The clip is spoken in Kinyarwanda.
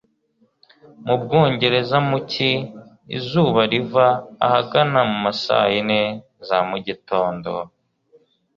Mu Bwongereza, mu cyi, izuba riva ahagana mu ma saa yine za mu gitondo